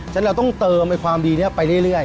ฉะนั้นเราต้องเติมความดีนี้ไปเรื่อย